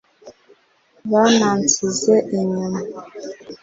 bana nsize inyuma,